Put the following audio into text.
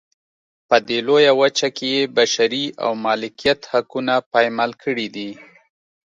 په دې لویه وچه کې یې بشري او مالکیت حقونه پایمال کړي دي.